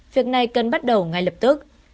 việc này cần bắt đầu ngay lập tức